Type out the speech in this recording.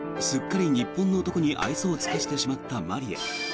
すっかり日本の男に愛想を尽かしてしまったマリア。